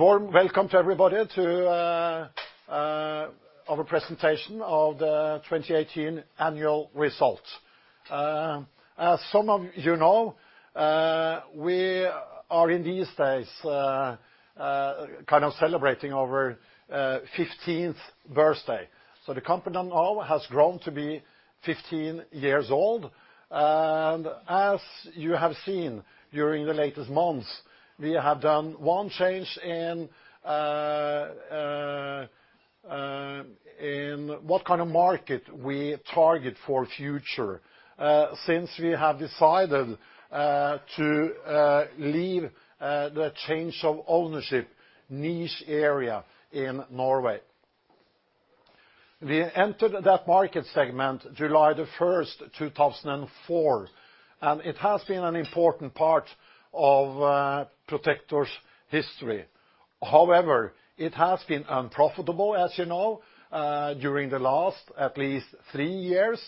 A warm welcome to everybody to our presentation of the 2018 annual results. As some of you know, we are in these days celebrating our 15th birthday. The company now has grown to be 15 years old. As you have seen during the latest months, we have done one change in what kind of market we target for future, since we have decided to leave the change of ownership niche area in Norway. We entered that market segment July 1st, 2004, and it has been an important part of Protector's history. However, it has been unprofitable, as you know, during the last at least three years,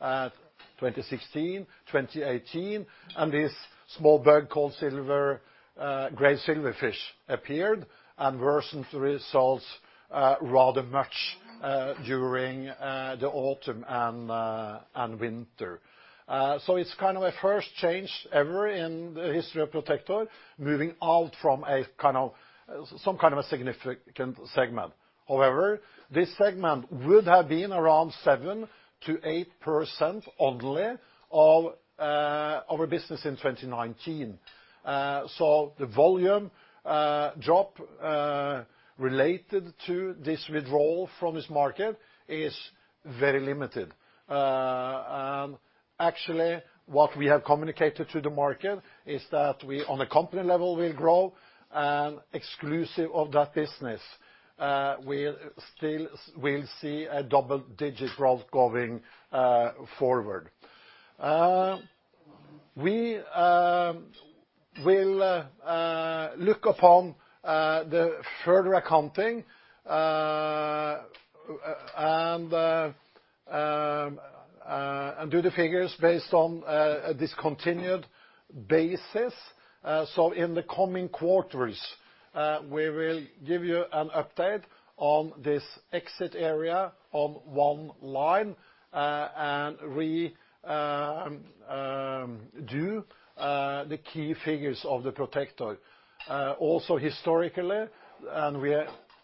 2016, 2018, and this small bug called gray silverfish appeared and worsened results rather much during the autumn and winter. It's the first change ever in the history of Protector, moving out from some kind of a significant segment. However, this segment would have been around 7%-8% only of our business in 2019. The volume drop related to this withdrawal from this market is very limited. Actually, what we have communicated to the market is that on a company level, we'll grow exclusive of that business. We still will see a double-digit growth going forward. We will look upon the further accounting and do the figures based on a discontinued basis. In the coming quarters, we will give you an update on this exit area on one line, and redo the key figures of the Protector. Also historically, we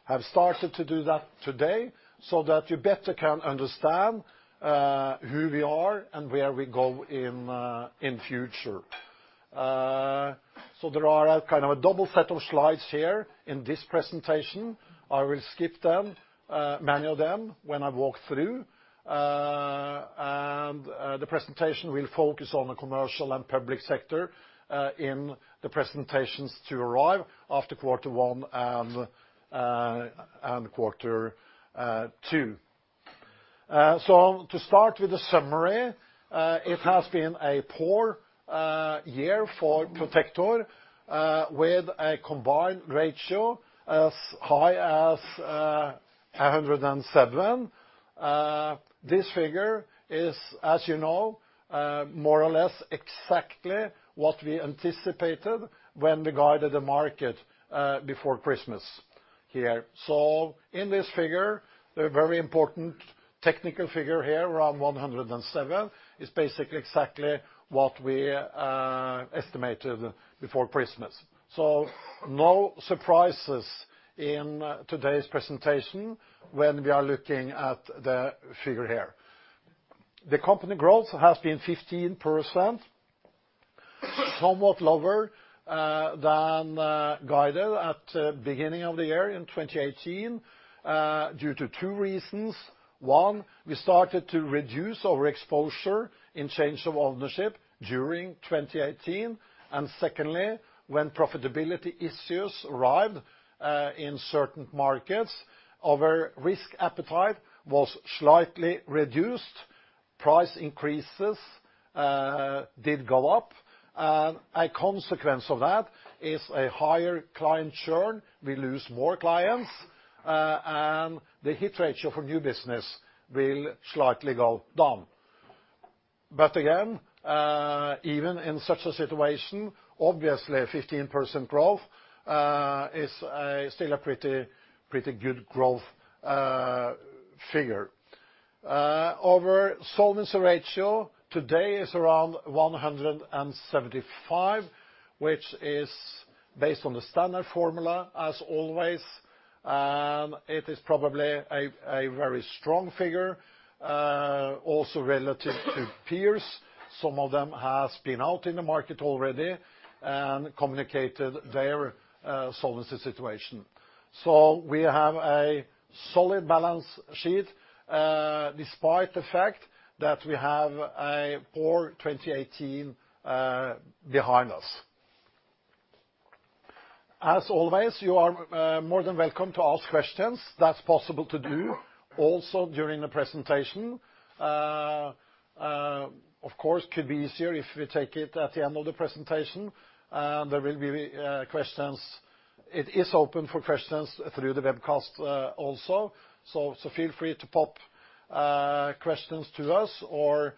have started to do that today so that you better can understand who we are and where we go in future. There are a double set of slides here in this presentation. I will skip many of them when I walk through. The presentation will focus on the commercial and public sector in the presentations to arrive after quarter one and quarter two. To start with the summary, it has been a poor year for Protector, with a combined ratio as high as 107. This figure is, as you know, more or less exactly what we anticipated when we guided the market before Christmas here. In this figure, the very important technical figure here, around 107, is basically exactly what we estimated before Christmas. No surprises in today's presentation when we are looking at the figure here. The company growth has been 15%, somewhat lower than guided at the beginning of the year in 2018 due to two reasons. One, we started to reduce our exposure in change of ownership during 2018. Secondly, when profitability issues arrived in certain markets, our risk appetite was slightly reduced. Price increases did go up. A consequence of that is a higher client churn. We lose more clients, and the hit ratio for new business will slightly go down. Again, even in such a situation, obviously, 15% growth is still a pretty good growth figure. Our solvency ratio today is around 175, which is based on the standard formula as always. It is probably a very strong figure, also relative to peers. Some of them have been out in the market already and communicated their solvency situation. We have a solid balance sheet, despite the fact that we have a poor 2018 behind us. As always, you are more than welcome to ask questions. That's possible to do also during the presentation. Of course, could be easier if we take it at the end of the presentation. It is open for questions through the webcast also. Feel free to pop questions to us or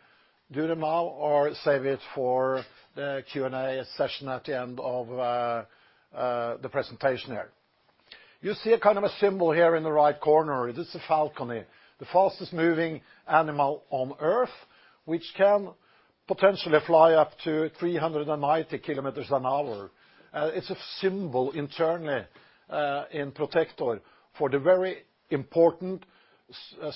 do them now, or save it for the Q&A session at the end of the presentation here. You see a symbol here in the right corner. It is a falcon, the fastest moving animal on Earth, which can potentially fly up to 390 km/h. It's a symbol internally in Protector for the very important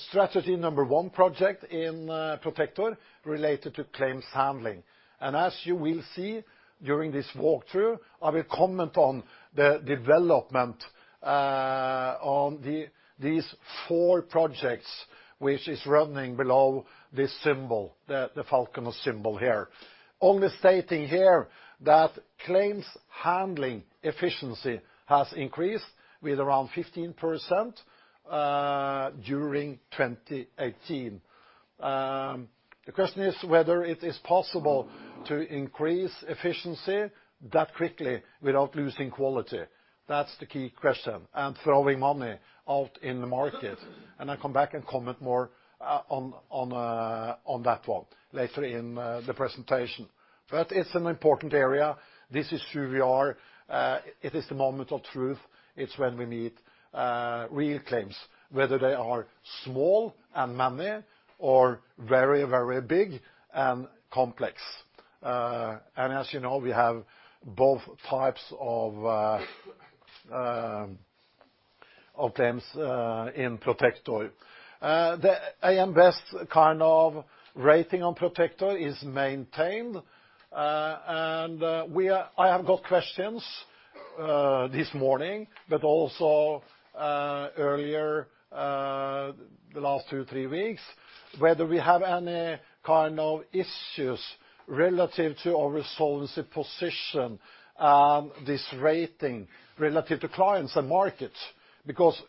strategy number one project in Protector related to claims handling. As you will see during this walkthrough, I will comment on the development on these four projects, which is running below this symbol, the falcon symbol here. Only stating here that claims handling efficiency has increased with around 15% during 2018. The question is whether it is possible to increase efficiency that quickly without losing quality. That's the key question, and throwing money out in the market. I come back and comment more on that one later in the presentation. It's an important area. This is who we are. It is the moment of truth. It's when we need real claims, whether they are small and many or very big and complex. As you know, we have both types of claims in Protector. The AM Best rating on Protector is maintained. I have got questions this morning, but also earlier the last two, three weeks, whether we have any issues relative to our solvency position, this rating relative to clients and markets.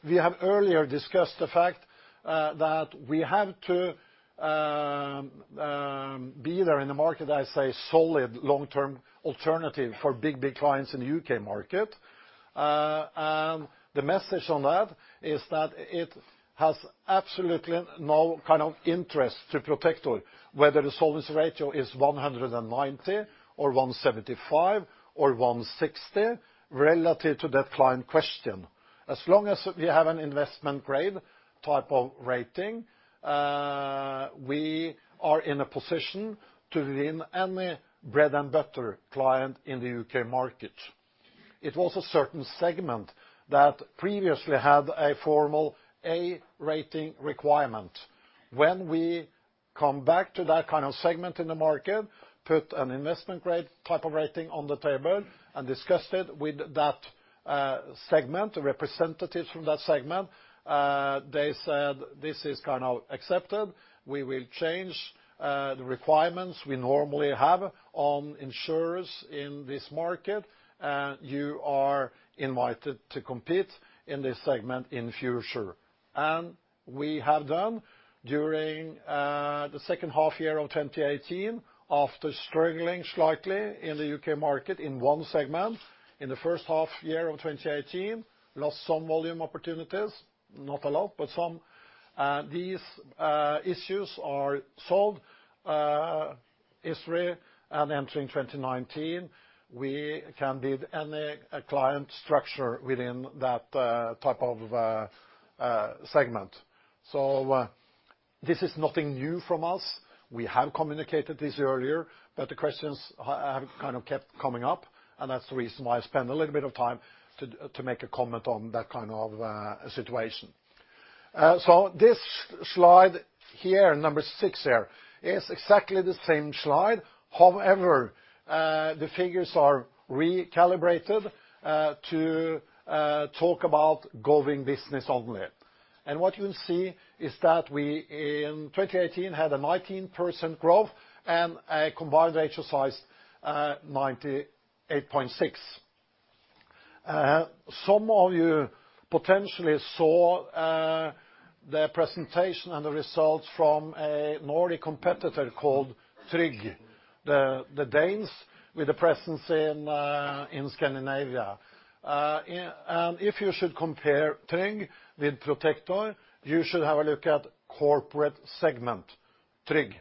We have earlier discussed the fact that we have to be there in the market as a solid long-term alternative for big clients in the U.K. market. The message on that is that it has absolutely no interest to Protector whether the solvency ratio is 190 or 175 or 160 relative to that client question. As long as we have an investment-grade type of rating, we are in a position to win any bread-and-butter client in the U.K. market. It was a certain segment that previously had a formal A rating requirement. When we come back to that kind of segment in the market, put an investment-grade type of rating on the table and discussed it with that segment, the representatives from that segment, they said, "This is accepted. We will change the requirements we normally have on insurers in this market. You are invited to compete in this segment in future." We have done during the second half year of 2018 after struggling slightly in the U.K. market in one segment. In the first half year of 2018, lost some volume opportunities, not a lot, but some. These issues are solved history, entering 2019, we can bid any client structure within that type of segment. This is nothing new from us. We have communicated this earlier, but the questions have kept coming up, and that's the reason why I spend a little bit of time to make a comment on that kind of situation. This slide here, number six here, is exactly the same slide. However, the figures are recalibrated to talk about growing business only. What you will see is that we, in 2018, had a 19% growth and a combined ratio size 98.6. Some of you potentially saw the presentation and the results from a Nordic competitor called Tryg, the Danes with a presence in Scandinavia. If you should compare Tryg with Protector, you should have a look at corporate segment Tryg.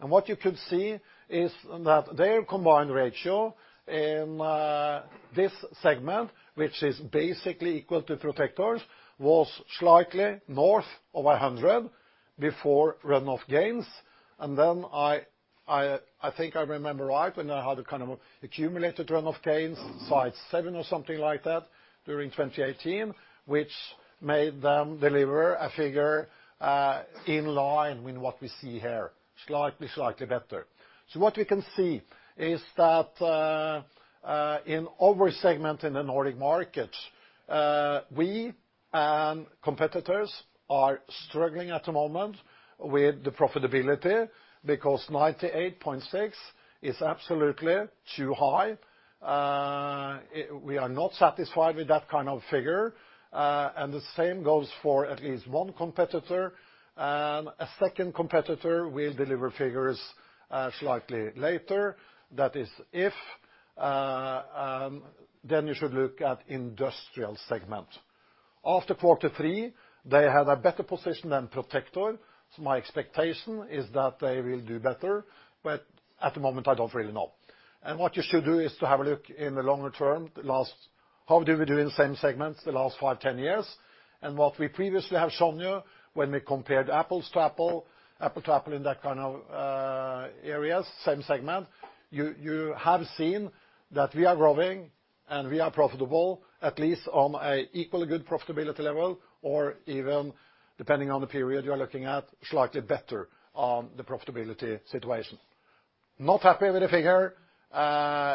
What you could see is that their combined ratio in this segment, which is basically equal to Protector's, was slightly north of 100 before run-off gains. I think I remember right when I had an accumulated run-off gains, size seven or something like that during 2018, which made them deliver a figure in line with what we see here, slightly better. What we can see is that in every segment in the Nordic market, we and competitors are struggling at the moment with the profitability, because 98.6 is absolutely too high. We are not satisfied with that kind of figure. The same goes for at least one competitor. A second competitor will deliver figures slightly later. That is If, then you should look at industrial segment. After quarter three, they had a better position than Protector. My expectation is that they will do better, but at the moment, I don't really know. What you should do is to have a look in the longer term. How do we do in the same segments the last five, 10 years? What we previously have shown you when we compared apples to apples in that kind of areas, same segment, you have seen that we are growing and we are profitable, at least on an equally good profitability level or even, depending on the period you are looking at, slightly better on the profitability situation. Not happy with the figure.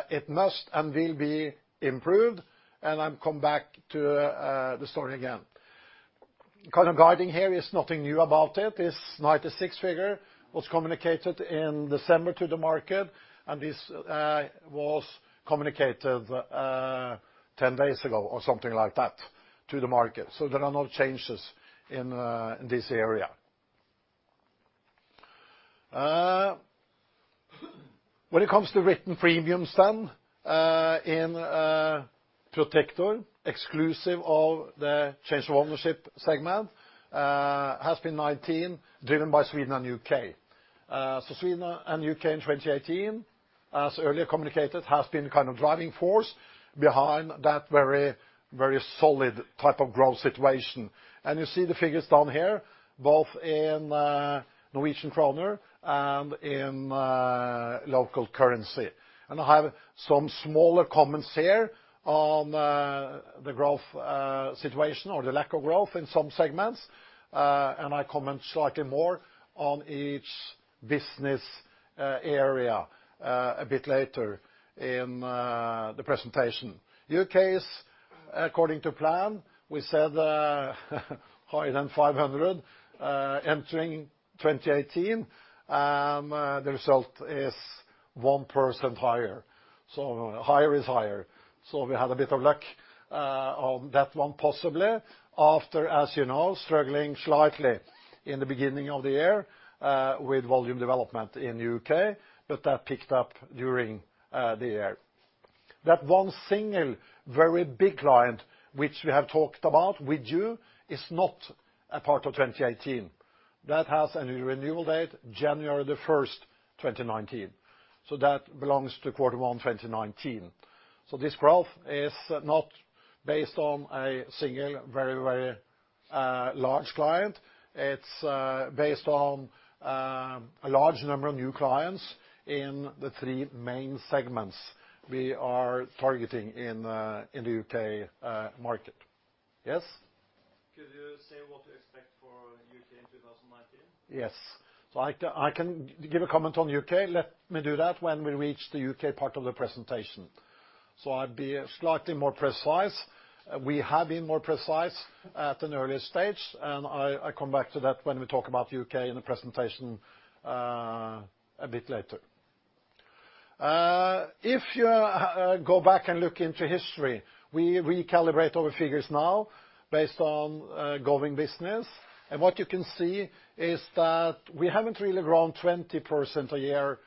It must and will be improved and I'll come back to the story again. Kind of guiding here is nothing new about it. This 96 figure was communicated in December to the market. This was communicated 10 days ago or something like that to the market. There are no changes in this area. When it comes to written premiums then, in Protector, exclusive of the change of ownership segment, has been 19, driven by Sweden and U.K. Sweden and U.K. in 2018, as earlier communicated, has been kind of driving force behind that very solid type of growth situation. You see the figures down here, both in Norwayian krona and in local currency. I have some smaller comments here on the growth situation or the lack of growth in some segments. I comment slightly more on each business area a bit later in the presentation. U.K. is according to plan. We said higher than 500 entering 2018. The result is 1% higher. Higher is higher. We had a bit of luck on that one possibly after, as you know, struggling slightly in the beginning of the year with volume development in U.K., but that picked up during the year. That one single very big client, which we have talked about with you, is not a part of 2018. That has a renewal date January 1st, 2019. That belongs to quarter 1 2019. This growth is not based on a single very large client. It's based on a large number of new clients in the three main segments we are targeting in the U.K. market. Yes? Could you say what you expect for U.K. in 2019? Yes. I can give a comment on U.K. Let me do that when we reach the U.K. part of the presentation. I'd be slightly more precise. We have been more precise at an earlier stage, I come back to that when we talk about U.K. in the presentation a bit later. If you go back and look into history, we recalibrate our figures now based on growing business. What you can see is that we haven't really grown 20% a year,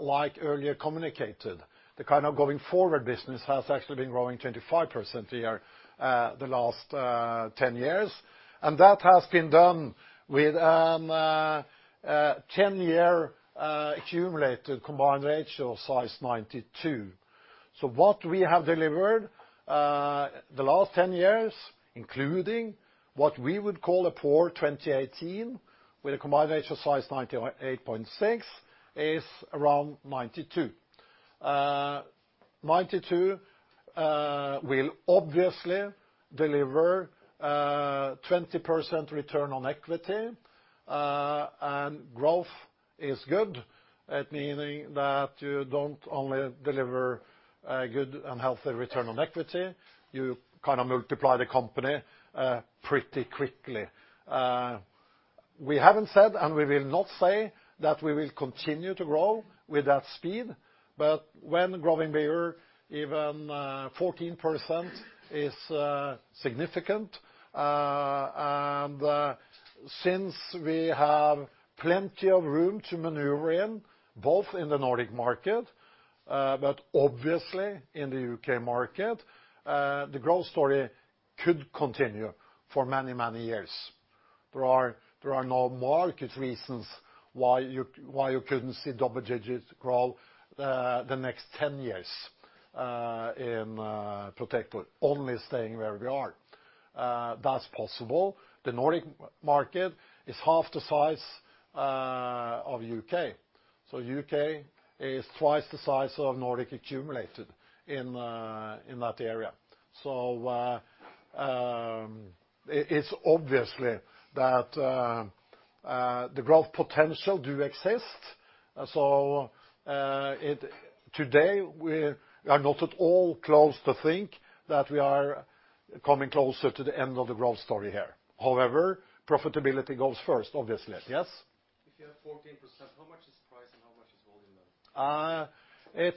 like earlier communicated. The kind of going forward business has actually been growing 25% a year, the last 10 years. That has been done with a 10-year accumulated combined ratio size 92. What we have delivered the last 10 years, including what we would call a poor 2018 with a combined ratio size 98.6, is around 92. 92 will obviously deliver a 20% return on equity, Growth is good at meaning that you don't only deliver a good and healthy return on equity, you kind of multiply the company pretty quickly. We haven't said, we will not say that we will continue to grow with that speed, but when growing bigger, even 14% is significant. Since we have plenty of room to maneuver in, both in the Nordic market, but obviously in the U.K. market, the growth story could continue for many years. There are no market reasons why you couldn't see double digits grow the next 10 years in Protector only staying where we are. That's possible. The Nordic market is half the size of U.K. U.K. is twice the size of Nordic accumulated in that area. It's obviously that the growth potential do exist. Today we are not at all close to think that we are coming closer to the end of the growth story here. However, profitability goes first, obviously. Yes. You have 14%, how much is price and how much is volume then?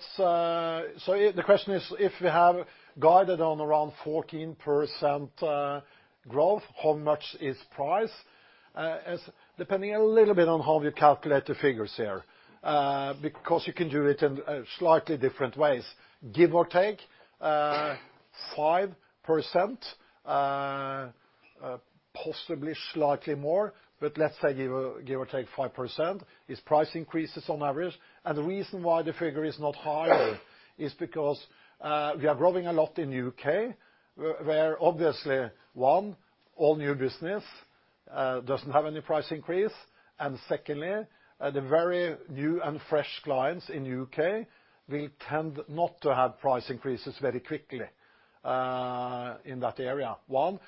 The question is, if we have guided on around 14% growth, how much is price? Depending a little bit on how you calculate the figures here. You can do it in slightly different ways. Give or take, 5%, possibly slightly more, but let's say give or take 5%, is price increases on average. The reason why the figure is not higher is because we are growing a lot in U.K., where, obviously, one, all new business doesn't have any price increase, and secondly, the very new and fresh clients in U.K. will tend not to have price increases very quickly in that area. One,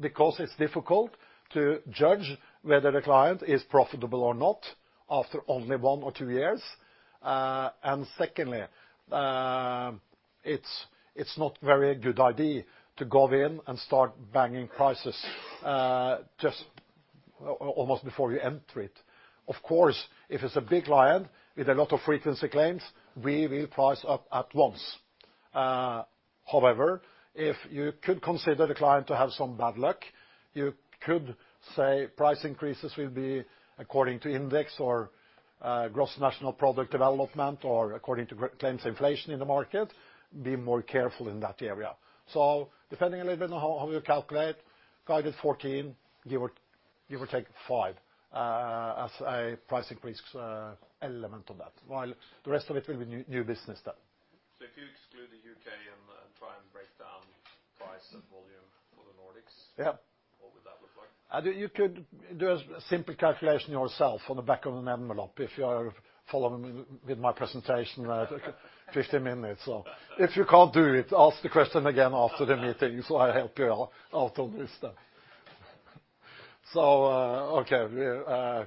because it's difficult to judge whether the client is profitable or not after only one or two years. Secondly, it's not very good idea to go in and start banging prices just almost before you enter it. Of course, if it's a big client with a lot of frequency claims, we will price up at once. However, if you could consider the client to have some bad luck, you could say price increases will be according to index or gross national product development, or according to claims inflation in the market, be more careful in that area. Depending a little bit on how you calculate, guided 14%, give or take 5%, as a price increase element of that, while the rest of it will be new business then. If you exclude the U.K. and try and break down price and volume for the Nordics. Yeah, what would that look like? You could do a simple calculation yourself on the back of an envelope if you are following with my presentation, 50 minutes. If you can't do it, ask the question again after the meeting, so I help you out on this stuff. Okay.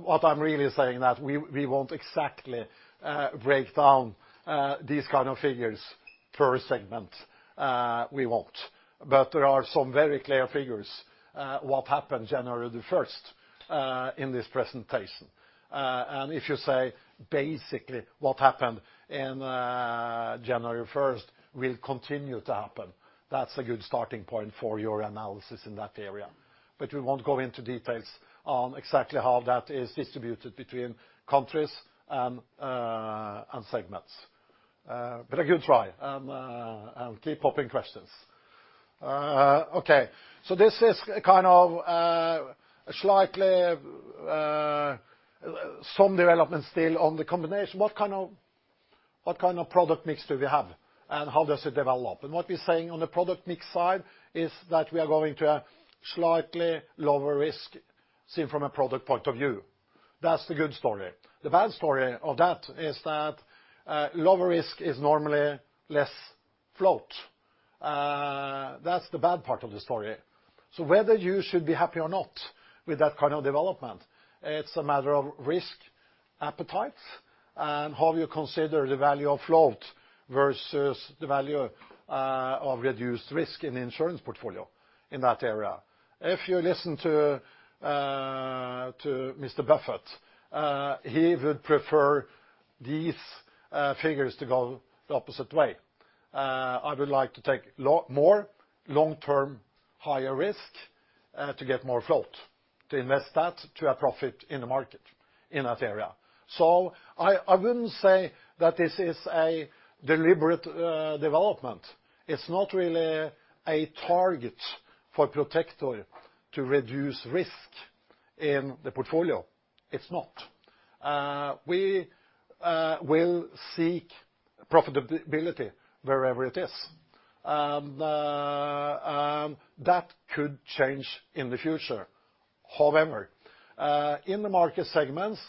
What I'm really saying that we won't exactly break down these kind of figures per segment. We won't. There are some very clear figures, what happened January 1st in this presentation. If you say, basically what happened in January 1st will continue to happen, that's a good starting point for your analysis in that area. We won't go into details on exactly how that is distributed between countries and segments. A good try, and keep popping questions. Okay. This is a kind of slightly, some development still on the combination. What kind of product mix do we have? How does it develop? What we're saying on the product mix side is that we are going to a slightly lower risk seen from a product point of view. That's the good story. The bad story of that is that lower risk is normally less float. That's the bad part of the story. Whether you should be happy or not with that kind of development, it's a matter of risk appetite, and how you consider the value of float versus the value of reduced risk in the insurance portfolio in that area. If you listen to Mr. Buffett, he would prefer these figures to go the opposite way. I would like to take a lot more long-term higher risk, to get more float. To invest that to a profit in the market in that area. I wouldn't say that this is a deliberate development. It's not really a target for Protector to reduce risk in the portfolio. It's not. We will seek profitability wherever it is. That could change in the future. However, in the market segments,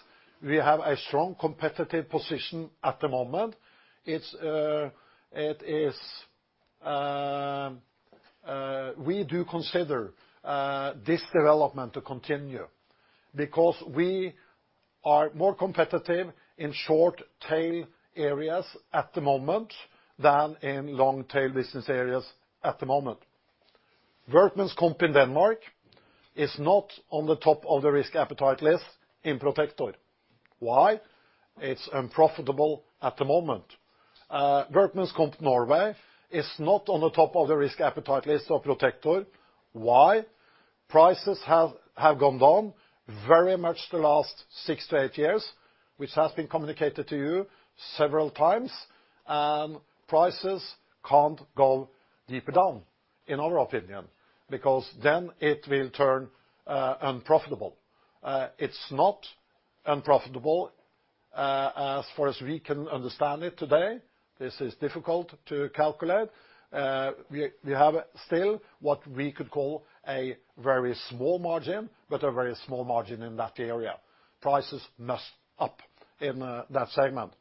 we have a strong competitive position at the moment. We do consider this development to continue because we are more competitive in short tail areas at the moment than in long tail business areas at the moment. workers' comp in Denmark is not on the top of the risk appetite list in Protector. Why? It's unprofitable at the moment. workers' comp Norway is not on the top of the risk appetite list of Protector. Why? Prices have gone down very much the last six to eight years, which has been communicated to you several times. Prices can't go deeper down, in our opinion, because then it will turn unprofitable. It's not unprofitable, as far as we can understand it today. This is difficult to calculate. We have still what we could call a very small margin, but a very small margin in that area. Prices must up in that segment.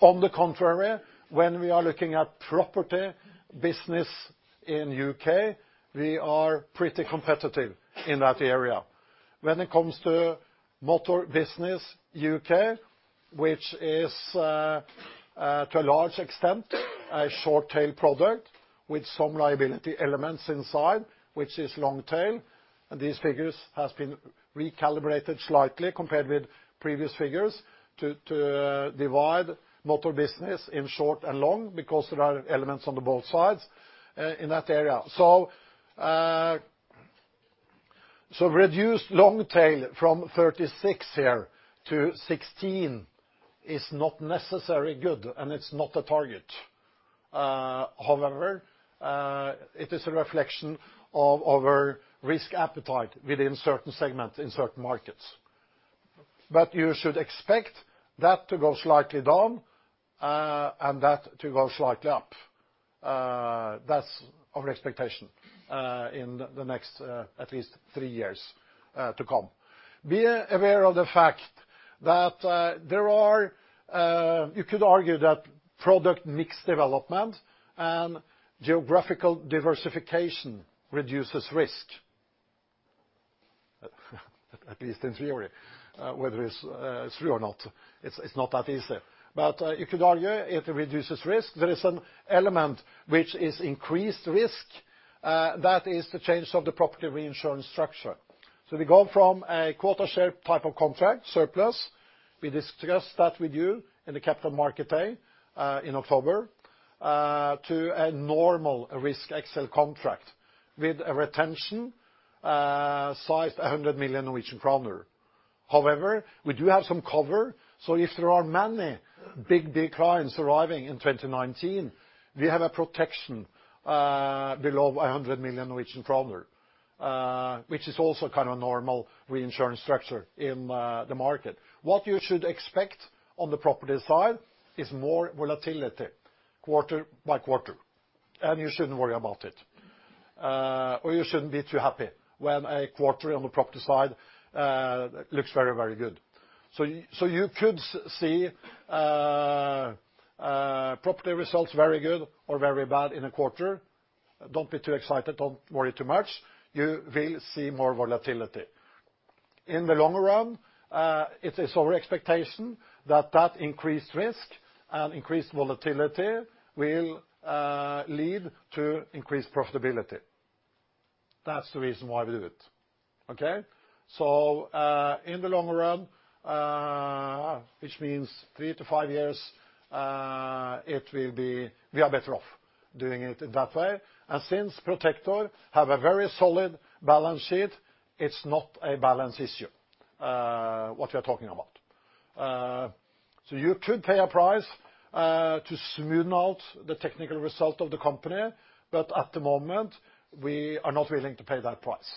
On the contrary, when we are looking at property business in U.K., we are pretty competitive in that area. When it comes to motor business U.K., which is, to a large extent, a short tail product with some liability elements inside, which is long tail, these figures has been recalibrated slightly compared with previous figures to divide motor business in short and long because there are elements on the both sides in that area. Reduced long tail from 36 here to 16 is not necessarily good, and it's not a target. However, it is a reflection of our risk appetite within certain segment, in certain markets. You should expect that to go slightly down, and that to go slightly up. That's our expectation in the next at least three years to come. Be aware of the fact that you could argue that product mix development and geographical diversification reduces risk. At least in theory. Whether it's true or not, it's not that easy. You could argue it reduces risk. There is an element which is increased risk. That is the change of the property reinsurance structure. We go from a quota share type of contract surplus, we discussed that with you in the capital market day, in October, to a normal risk XL contract with a retention, sized 100 million Norwegian kroner. We do have some cover, if there are many big clients arriving in 2019, we have a protection, below 100 million Norwegian kroner, which is also kind of a normal reinsurance structure in the market. What you should expect on the property side is more volatility quarter by quarter, and you shouldn't worry about it. You shouldn't be too happy when a quarter on the property side, looks very good. You could see property results very good or very bad in a quarter. Don't be too excited. Don't worry too much. You will see more volatility. In the long run, it is our expectation that that increased risk and increased volatility will lead to increased profitability. That's the reason why we did it. Okay? In the long run, which means three to five years, we are better off doing it in that way. Since Protector has a very solid balance sheet, it's not a balance issue, what we are talking about. You could pay a price, to smoothen out the technical result of the company. At the moment, we are not willing to pay that price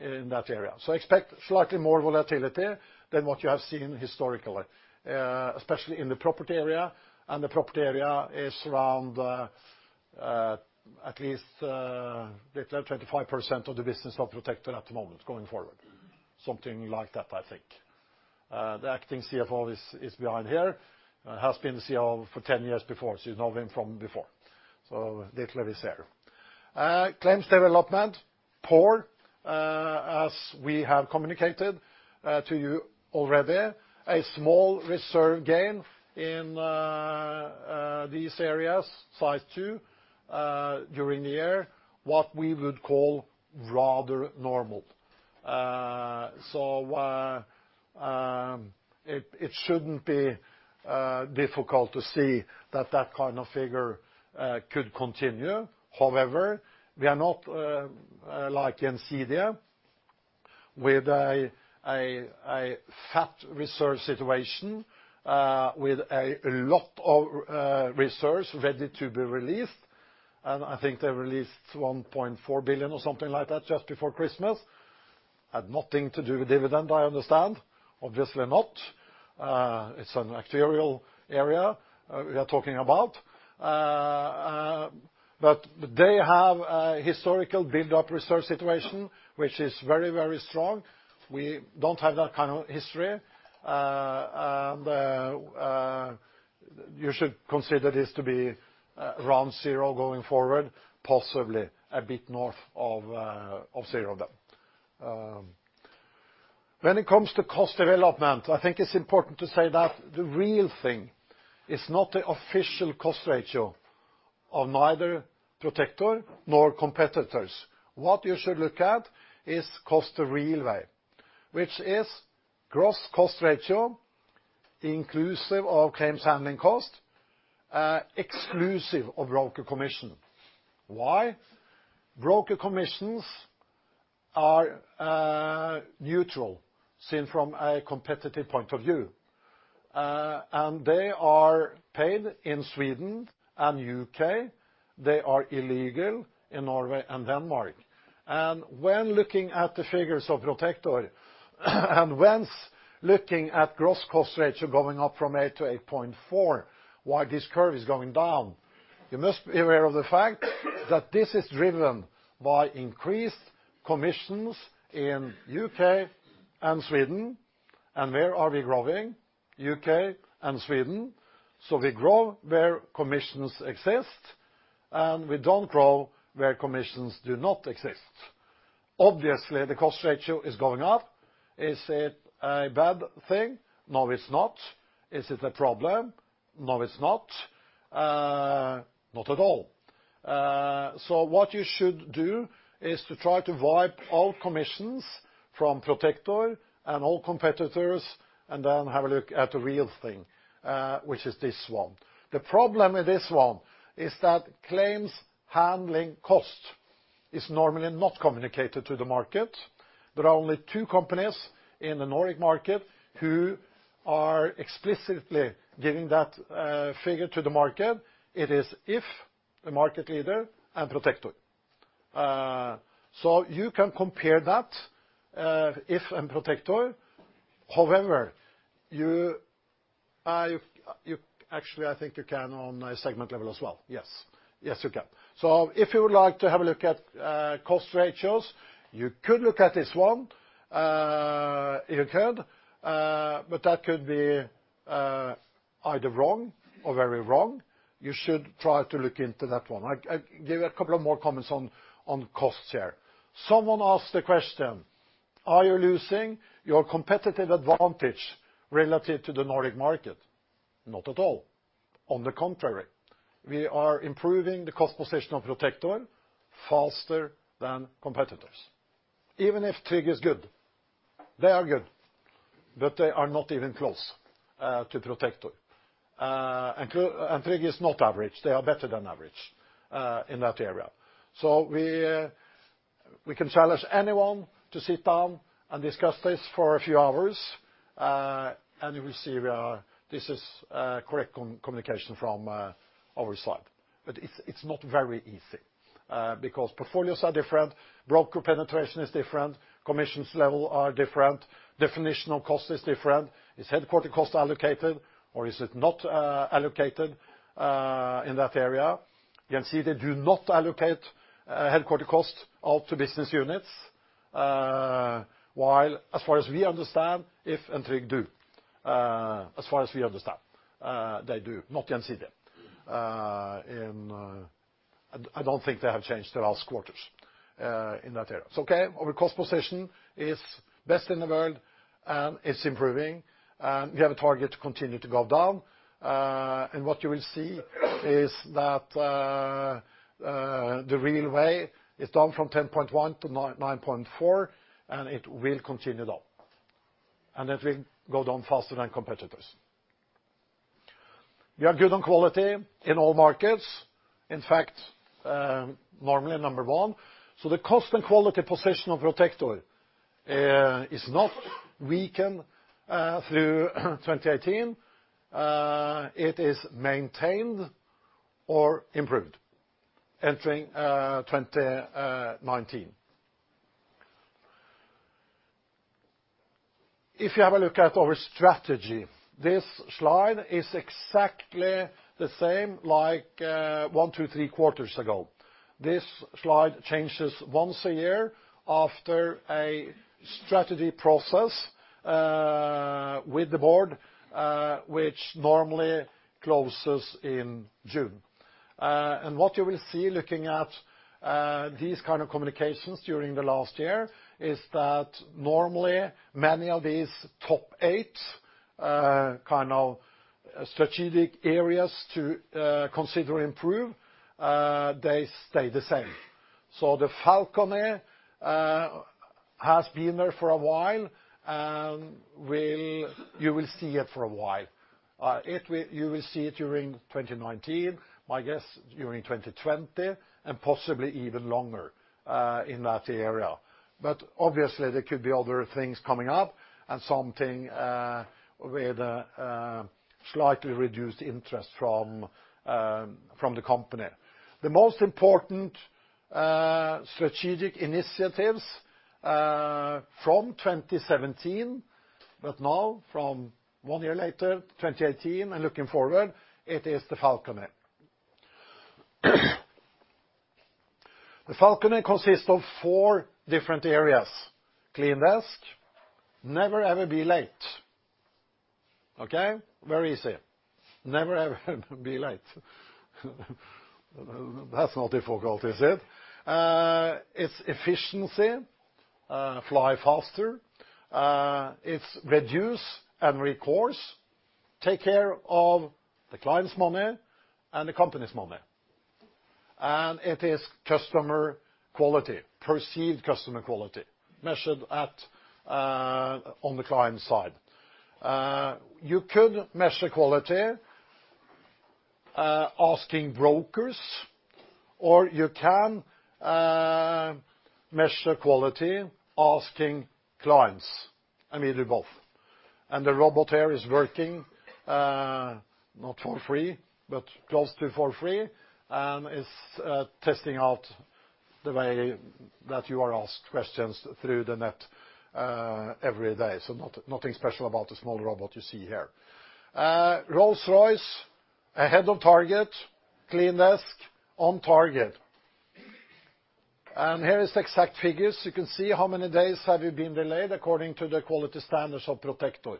in that area. Expect slightly more volatility than what you have seen historically, especially in the property area. The property area is around at least 25% of the business of Protector at the moment going forward. Something like that, I think. The Acting CFO is behind here. Has been the CFO for 10 years before, you know him from before. Ditlev is here. Claims development, poor, as we have communicated to you already. A small reserve gain in these areas, size two, during the year, what we would call rather normal. It shouldn't be difficult to see that that kind of figure could continue. However, we are not like Gjensidige with a fat reserve situation, with a lot of reserves ready to be released. I think they released 1.4 billion or something like that just before Christmas. Had nothing to do with dividend, I understand. Obviously not. It's an actuarial area we are talking about. They have a historical build-up reserve situation, which is very strong. We don't have that kind of history. You should consider this to be around zero going forward, possibly a bit north of zero there. When it comes to cost development, I think it's important to say that the real thing is not the official cost ratio of neither Protector nor competitors. What you should look at is cost the real way, which is gross cost ratio inclusive of claims handling cost, exclusive of broker commission. Why? Broker commissions are neutral seen from a competitive point of view. They are paid in Sweden and U.K. They are illegal in Norway and Denmark. When looking at the figures of Protector and whence looking at gross cost ratio going up from 8 to 8.4, why this curve is going down, you must be aware of the fact that this is driven by increased commissions in U.K. and Sweden. Where are we growing? U.K. and Sweden. We grow where commissions exist, and we don't grow where commissions do not exist. Obviously, the cost ratio is going up. Is it a bad thing? No, it's not. Is it a problem? No, it's not. Not at all. What you should do is to try to wipe out commissions from Protector and all competitors, and then have a look at the real thing, which is this one. The problem with this one is that claims handling cost is normally not communicated to the market. There are only two companies in the Nordic market who are explicitly giving that figure to the market. It is If, the market leader, and Protector. You can compare that, If and Protector. Actually, I think you can on a segment level as well. Yes, you can. If you would like to have a look at cost ratios, you could look at this one. You could, but that could be either wrong or very wrong. You should try to look into that one. I give a couple of more comments on costs here. Someone asked the question, "Are you losing your competitive advantage relative to the Nordic market?" Not at all. On the contrary, we are improving the cost position of Protector faster than competitors. Even if Tryg is good, they are good, but they are not even close to Protector. Tryg is not average. They are better than average in that area. We can challenge anyone to sit down and discuss this for a few hours, and you will see this is a correct communication from our slide. It's not very easy, because portfolios are different, broker penetration is different, commissions level are different, definition of cost is different. Is headquarter cost allocated or is it not allocated in that area? You can see they do not allocate headquarter costs out to business units, while as far as we understand, If and Tryg do. As far as we understand, they do. Not Gjensidige. I don't think they have changed the last quarters in that area. Our cost position is best in the world, and it's improving. We have a target to continue to go down. What you will see is that the real way is down from 10.1 to 9.4, and it will continue down. It will go down faster than competitors. We are good on quality in all markets. In fact, normally number one. The cost and quality position of Protector is not weakened through 2018. It is maintained or improved entering 2019. If you have a look at our strategy, this slide is exactly the same like one, two, three quarters ago. This slide changes once a year after a strategy process with the board, which normally closes in June. What you will see looking at these kind of communications during the last year is that normally many of these top eight strategic areas to consider improve, they stay the same. The Falcon has been there for a while, and you will see it for a while. You will see it during 2019, my guess during 2020, and possibly even longer, in that area. Obviously, there could be other things coming up and something with a slightly reduced interest from the company. The most important strategic initiatives from 2017, but now from one year later, 2018 and looking forward, it is the Falcon. The Falcon consists of four different areas. Clean desk. Never, ever be late. Okay? Very easy. Never, ever be late. That's not difficult, is it? It's efficiency, fly faster. It's reduce and recourse. Take care of the client's money and the company's money. It is customer quality, perceived customer quality measured on the client side. You could measure quality asking brokers or you can measure quality asking clients. We do both. The robot here is working, not for free, but close to for free, and is testing out the way that you are asked questions through the net every day. Nothing special about the small robot you see here. Rolls-Royce ahead of target. Clean desk on target. Here are the exact figures. You can see how many days have you been delayed according to the quality standards of Protector.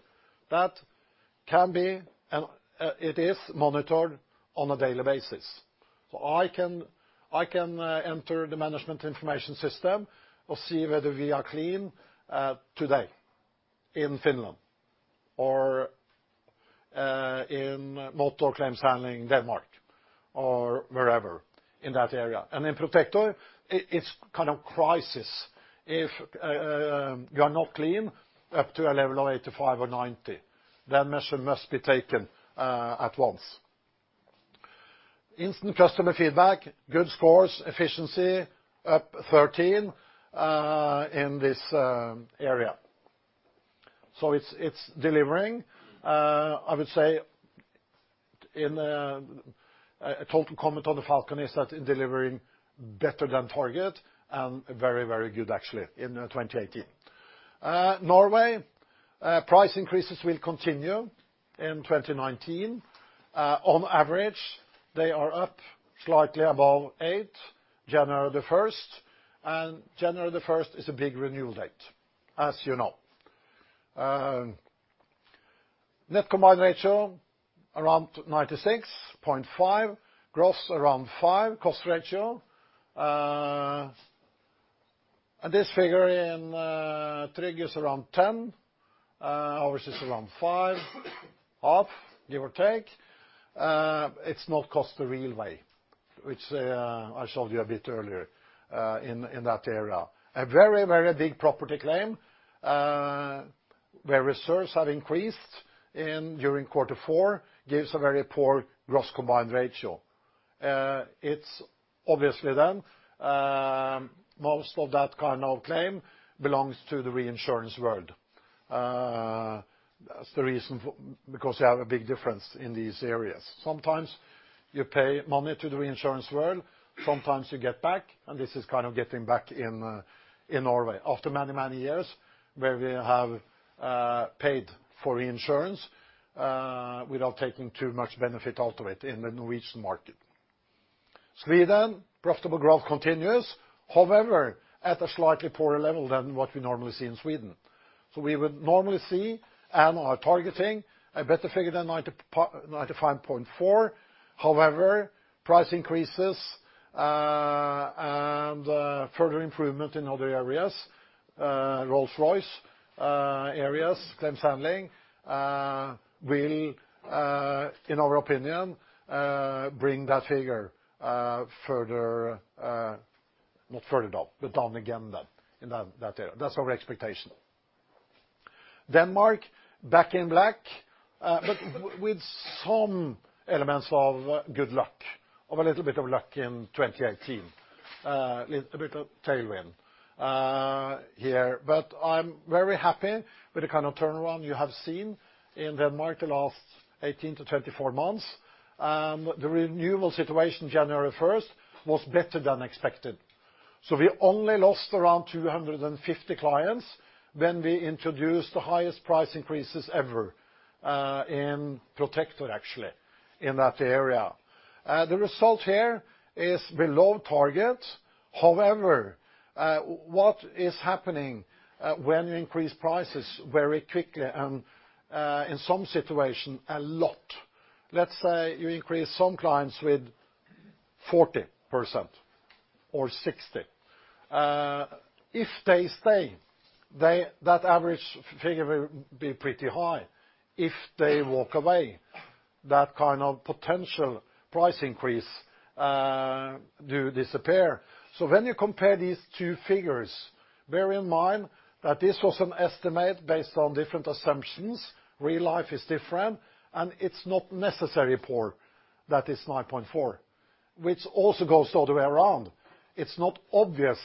It is monitored on a daily basis. I can enter the management information system or see whether we are clean today in Finland or in motor claims handling Denmark or wherever in that area. In Protector, it is crisis if you are not clean up to a level of 85 or 90. Measures must be taken at once. Instant customer feedback, good scores, efficiency up 13, in this area. It is delivering, I would say, in a total comment on the Falcon is that delivering better than target and very good actually in 2018. Norway, price increases will continue in 2019. On average, they are up slightly above eight, January the 1st. January the 1st is a big renewal date, as you know. Net combined ratio around 96.5, gross around five, cost ratio, and this figure in Tryg is around 10. Ours is around five, off, give or take. It is not cost the real way, which I showed you a bit earlier, in that area. A very big property claim, where reserves have increased during quarter four gives a very poor gross combined ratio. It is obviously then, most of that kind of claim belongs to the reinsurance world. That is the reason because you have a big difference in these areas. Sometimes you pay money to the reinsurance world, sometimes you get back. This is getting back in Norway after many years where we have paid for reinsurance, without taking too much benefit out of it in the Norwegian market. Sweden, profitable growth continues. However, at a slightly poorer level than what we normally see in Sweden. We would normally see and are targeting a better figure than 95.4. However, price increases, and further improvement in other areas, Rolls-Royce, claims handling, will, in our opinion, bring that figure further, not further down, but down again then in that area. That is our expectation. Denmark back in black, with some elements of good luck, of a little bit of luck in 2018. A bit of tailwind here. I am very happy with the kind of turnaround you have seen in Denmark the last 18 to 24 months. The renewal situation January 1st was better than expected. We only lost around 250 clients when we introduced the highest price increases ever, in Protector actually in that area. The result here is below target. However, what is happening when you increase prices very quickly and, in some situation, a lot. Let's say you increase some clients with 40% or 60%. If they stay, that average figure will be pretty high. If they walk away, that kind of potential price increase do disappear. When you compare these two figures, bear in mind that this was an estimate based on different assumptions. Real life is different. It's not necessarily poor, that is 9.4, which also goes the other way around. It's not obvious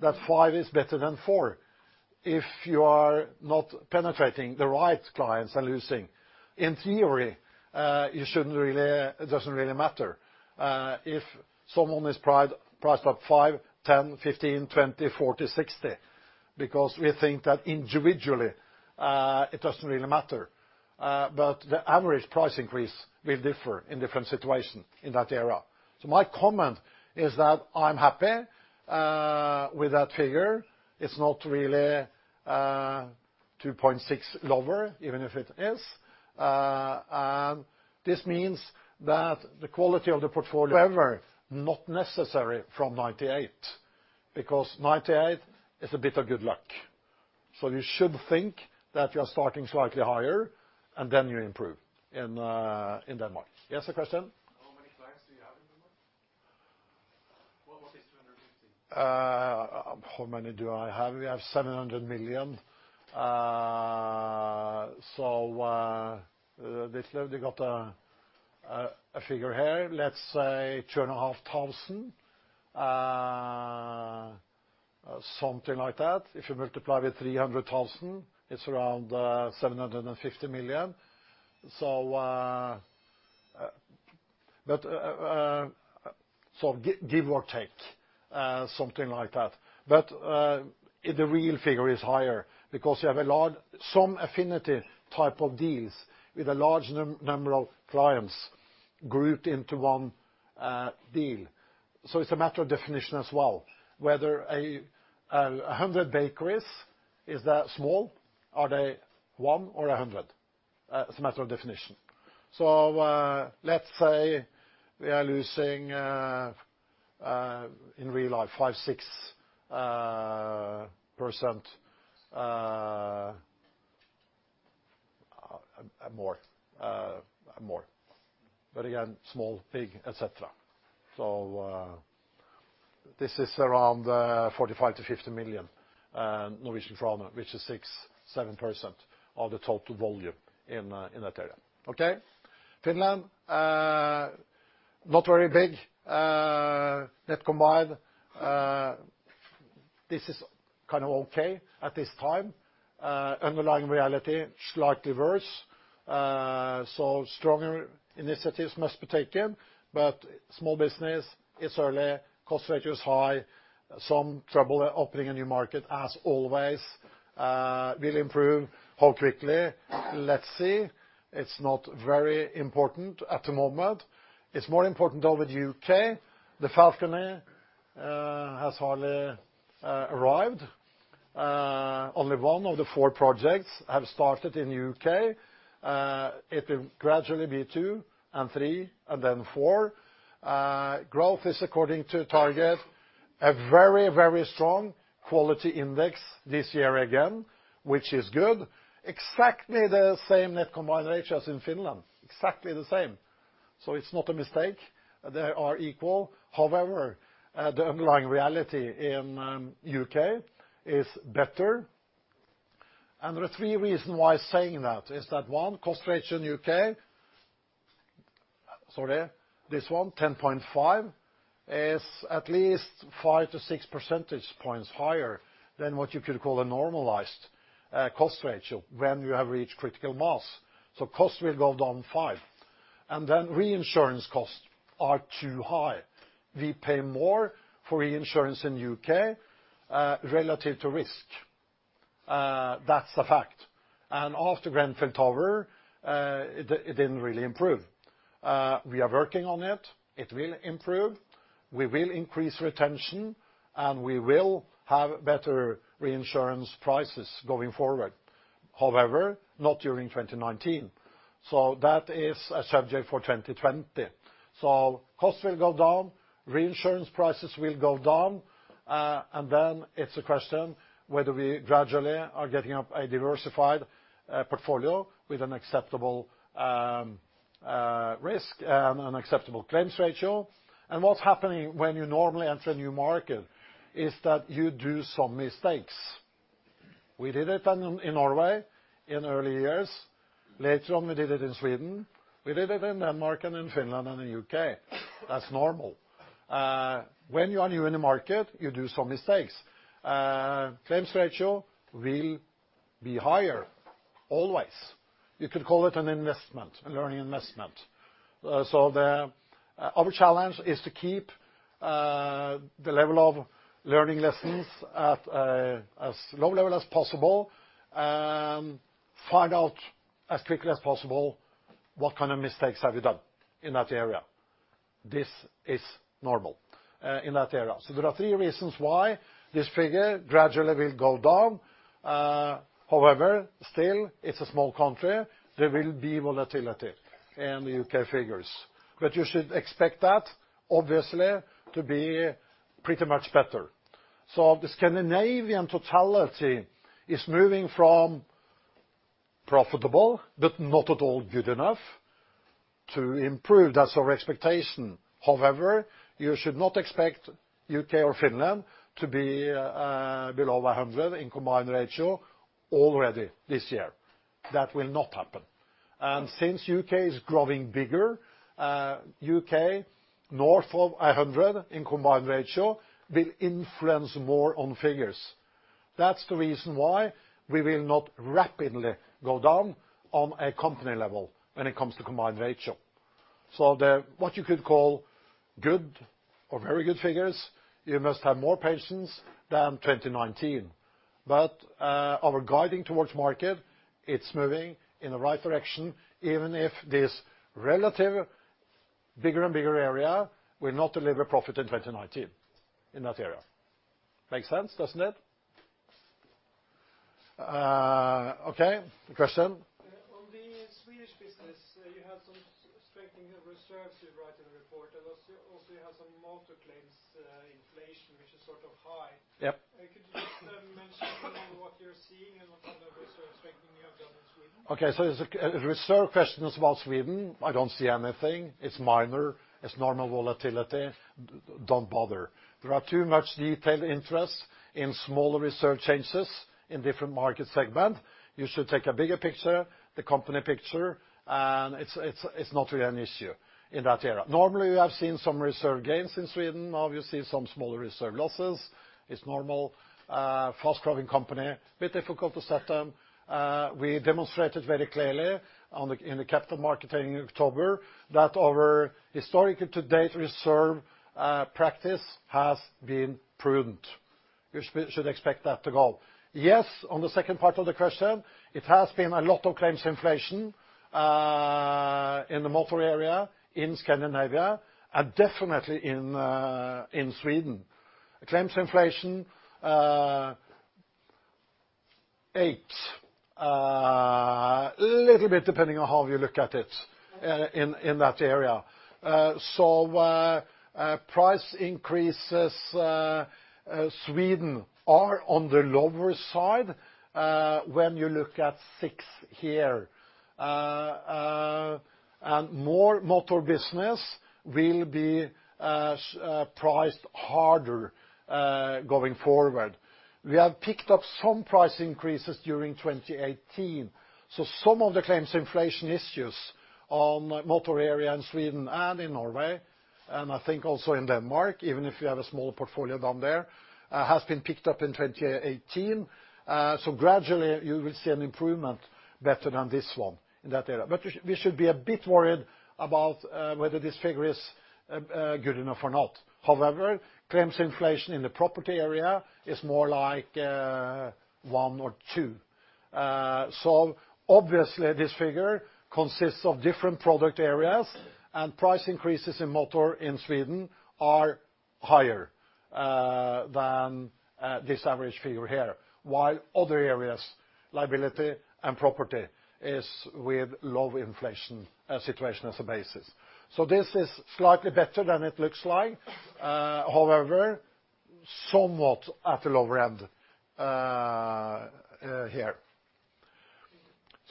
that five is better than four if you are not penetrating the right clients and losing. In theory, it doesn't really matter if someone is priced up 5, 10, 15, 20, 40, 60. We think that individually, it doesn't really matter. The average price increase will differ in different situation in that area. My comment is that I'm happy with that figure. It's not really 2.6 lower, even if it is. This means that the quality of the portfolio. However, not necessary from 98 because 98 is a bit of good luck. You should think that you are starting slightly higher, and then you improve in Denmark. Yes, a question? How many clients do you have in Denmark? What is 250? How many do I have? We have NOK 700 million. This level, you got a figure here. Let's say 2,500, something like that. If you multiply with 300,000, it's around 750 million. Give or take, something like that. The real figure is higher because you have some affinity type of deals with a large number of clients grouped into one deal. It's a matter of definition as well, whether 100 bakeries, is that small? Are they one or 100? It's a matter of definition. Let's say we are losing, in real life, 5%, 6% more. Again, small, big, et cetera. This is around 45 million-50 million Norwegian krone, which is 6%, 7% of the total volume in that area. Okay. Finland, not very big. Net combined, this is kind of okay at this time. Underlying reality, slightly worse. Stronger initiatives must be taken. Small business, it's early. Cost ratio is high. Some trouble opening a new market. Always, will improve. How quickly. Let's see. It's not very important at the moment. It's more important, though, with U.K. The Falcon has hardly arrived. Only one of the four projects have started in the U.K. It will gradually be two and three and then four. Growth is according to target. A very, very strong quality index this year again, which is good. Exactly the same net combined ratio as in Finland. Exactly the same. It's not a mistake. They are equal. The underlying reality in U.K. is better. There are three reason why saying that is that, one, cost ratio in U.K., sorry, this one, 10.5, is at least 5 to 6 percentage points higher than what you could call a normalized cost ratio when you have reached critical mass. Cost will go down five. Then reinsurance costs are too high. We pay more for reinsurance in U.K. relative to risk. That's a fact. After Grenfell Tower, it didn't really improve. We are working on it. It will improve. We will increase retention, and we will have better reinsurance prices going forward. However, not during 2019. That is a subject for 2020. Cost will go down, reinsurance prices will go down, then it's a question whether we gradually are getting up a diversified portfolio with an acceptable risk and an acceptable claims ratio. What's happening when you normally enter a new market is that you do some mistakes. We did it in Norway in early years. Later on, we did it in Sweden. We did it in Denmark and in Finland and in U.K. That's normal. When you are new in the market, you do some mistakes. Claims ratio will be higher always. You could call it an investment, a learning investment. Our challenge is to keep the level of learning lessons at a low level as possible and find out as quickly as possible what kind of mistakes have we done in that area. This is normal in that area. There are three reasons why this figure gradually will go down. However, still, it's a small country. There will be volatility in the U.K. figures. You should expect that obviously to be pretty much better. The Scandinavian totality is moving from profitable but not at all good enough to improve. That's our expectation. However, you should not expect U.K. or Finland to be below 100 in combined ratio already this year. That will not happen. Since U.K. is growing bigger, U.K. north of 100 in combined ratio will influence more on figures. That's the reason why we will not rapidly go down on a company level when it comes to combined ratio. The what you could call good or very good figures, you must have more patience than 2019. Our guiding towards market, it's moving in the right direction, even if this relative bigger and bigger area will not deliver profit in 2019 in that area. Makes sense, doesn't it? Okay. Question. On the Swedish business, you have some strengthening of reserves you write in the report, also you have some motor claims inflation, which is sort of high. Yep. Could you just mention what you're seeing and what kind of reserve strengthening you have done in Sweden? Okay, it's a reserve question about Sweden. I don't see anything. It's minor. It's normal volatility. Don't bother. There are too much detailed interest in smaller reserve changes in different market segment. You should take a bigger picture, the company picture, it's not really an issue in that area. Normally, we have seen some reserve gains in Sweden. Obviously, some smaller reserve losses. It's normal. Fast-growing company, a bit difficult to set them. We demonstrated very clearly in the capital market in October that our historically to date reserve practice has been prudent. You should expect that to go. On the second part of the question, it has been a lot of claims inflation in the motor area in Scandinavia and definitely in Sweden. Claims inflation 8%. A little bit depending on how you look at it in that area. Price increases, Sweden are on the lower side when you look at 6% here. More motor business will be priced harder going forward. We have picked up some price increases during 2018. Some of the claims inflation issues on motor area in Sweden and in Norway, and I think also in Denmark, even if you have a smaller portfolio down there, has been picked up in 2018. Gradually, you will see an improvement better than this one in that area. We should be a bit worried about whether this figure is good enough or not. However, claims inflation in the property area is more like 1% or 2%. Obviously, this figure consists of different product areas, and price increases in motor in Sweden are higher than this average figure here. While other areas, liability and property, is with low inflation situation as a basis. This is slightly better than it looks like. However, somewhat at the lower end here.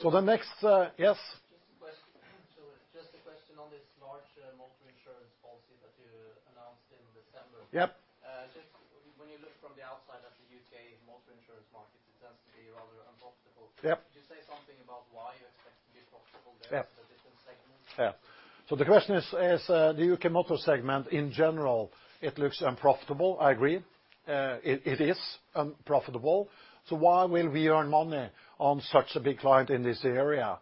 Yes? Just a question. Just a question on this large motor insurance policy that you announced in December. Yep. When you look from the outside of the U.K. motor insurance market, it tends to be rather unprofitable. Yep. Could you say something about why you expect to be profitable there? Yeah As a different segment? Yeah. The question is, the U.K. motor segment in general, it looks unprofitable. I agree. It is unprofitable. Why will we earn money on such a big client in this area?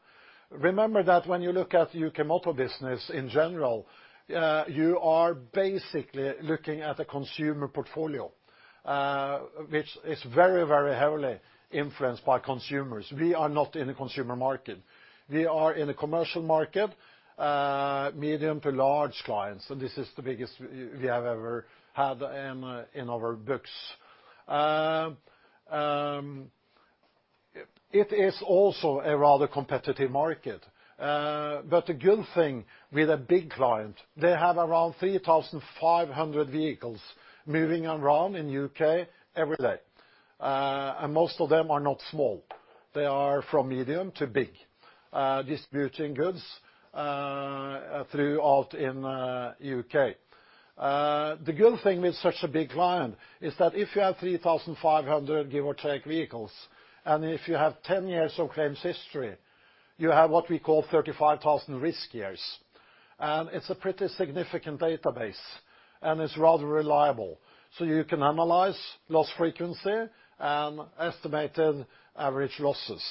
Remember that when you look at U.K. motor business in general, you are basically looking at a consumer portfolio. Which is very heavily influenced by consumers. We are not in a consumer market. We are in a commercial market, medium to large clients, and this is the biggest we have ever had in our books. It is also a rather competitive market. The good thing with a big client, they have around 3,500 vehicles moving around in U.K. every day. Most of them are not small. They are from medium to big, distributing goods throughout in U.K. The good thing with such a big client is that if you have 3,500, give or take, vehicles, and if you have 10 years of claims history, you have what we call 35,000 risk years. It's a pretty significant database, and it's rather reliable. You can analyze loss frequency and estimated average losses.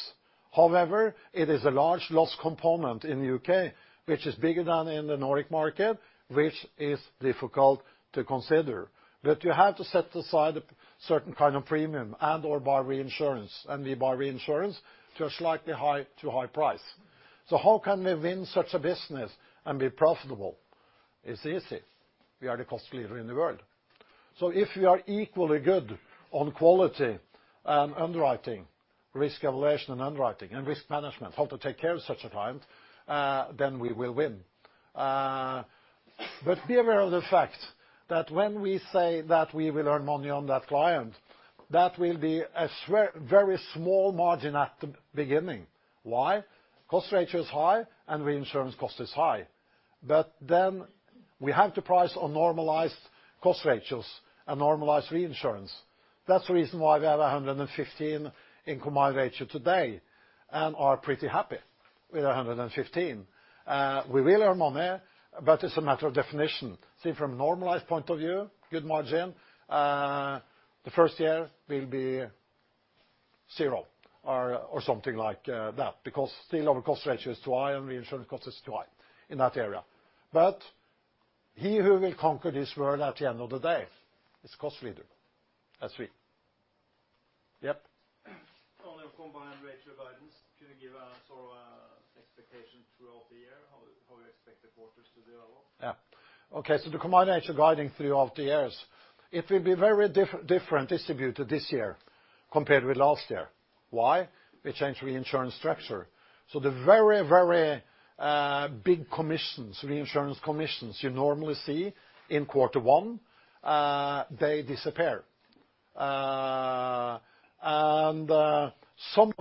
However, it is a large loss component in the U.K., which is bigger than in the Nordic market, which is difficult to consider. You have to set aside a certain kind of premium and/or buy reinsurance. We buy reinsurance to a slightly high to high price. How can we win such a business and be profitable? It's easy. We are the cost leader in the world. If we are equally good on quality and underwriting, risk evaluation and underwriting and risk management, how to take care of such a client, then we will win. Be aware of the fact that when we say that we will earn money on that client, that will be a very small margin at the beginning. Why? Cost ratio is high and reinsurance cost is high. We have to price on normalized cost ratios and normalized reinsurance. That's the reason why we have 115% in combined ratio today and are pretty happy with 115%. We will earn money, but it's a matter of definition. From a normalized point of view, good margin, the first year will be zero or something like that, because still our cost ratio is too high and reinsurance cost is too high in that area. He who will conquer this world at the end of the day is cost leader, as we. On your combined ratio guidance, can you give us all expectations throughout the year, how you expect the quarters to develop? Yeah. Okay. The combined ratio guiding throughout the years. It will be very different distributed this year compared with last year. Why? We changed reinsurance structure. The very big commissions, reinsurance commissions you normally see in quarter one, they disappear. Some of